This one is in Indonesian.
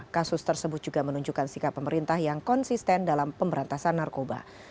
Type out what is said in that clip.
kasus tersebut juga menunjukkan sikap pemerintah yang konsisten dalam pemberantasan narkoba